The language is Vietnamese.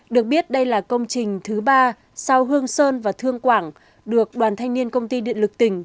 được biết đây là công trình thứ ba sau hương sơn và thương quảng được đoàn thanh niên công ty điện lực tỉnh